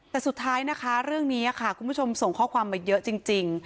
แต่สุดท้ายนะคะเรื่องนี้ค่ะคุณผู้ชมส่งข้อความมาเยอะจริง